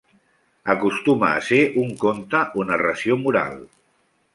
Acostuma a ser un conte o narració moral.